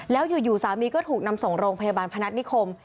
แล้วอยู่สามีก็ถูกนำส่งโรงพยาบาลพนัฐนิคม